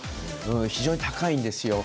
非常に高いんですよ。